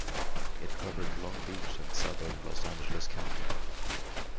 It covers Long Beach and southern Los Angeles County.